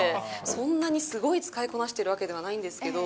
そんなにすごい使いこなしてるわけではないんですけど。